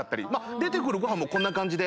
出てくるご飯もこんな感じで。